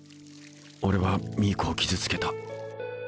俺はミイコを傷つけた。